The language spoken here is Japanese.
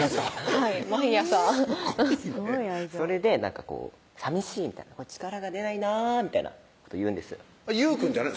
はい毎朝それで「さみしい」みたいな「力が出ないな」みたいなことを言うんです優くんじゃない？